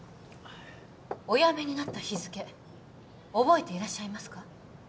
おやめになった日付覚えていらっしゃいますか？